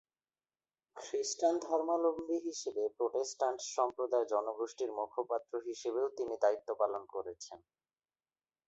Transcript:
খ্রিস্টান ধর্মালম্বী হিসেবে প্রোটেস্ট্যান্ট সম্প্রদায় জনগোষ্ঠীর মুখপাত্র হিসেবেও তিনি দায়িত্ব পালন করছেন।